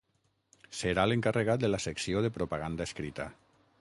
Serà l’encarregat de la secció de propaganda escrita.